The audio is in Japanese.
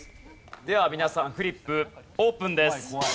では皆さんフリップオープンです。